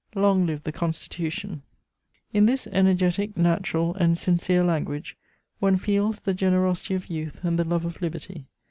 Long live the Constitution!" In this energetic, natural and sincere language, one feels the generosity of youth and the love of liberty.